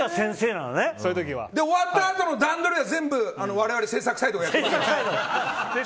終わった時の段取りは全部我々、制作サイドがやってます。